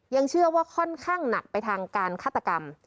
ยังเชื่อว่าค่อนข้างหนักไปทางการฆาตกรรม